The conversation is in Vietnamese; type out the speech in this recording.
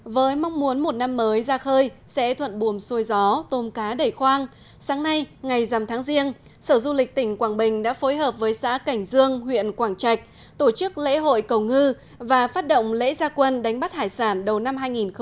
với mong muốn một năm mới ra khơi sẽ thuận bùm xôi gió tôm cá đầy khoang sáng nay ngày dằm tháng riêng sở du lịch tỉnh quảng bình đã phối hợp với xã cảnh dương huyện quảng trạch tổ chức lễ hội cầu ngư và phát động lễ gia quân đánh bắt hải sản đầu năm hai nghìn hai mươi